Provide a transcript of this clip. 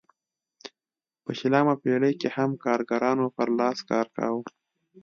په شلمه پېړۍ کې هم کارګرانو پر لاس کار کاوه.